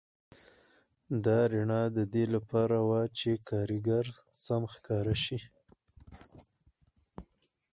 دا رڼا د دې لپاره وه چې کارګر سم ښکاره شي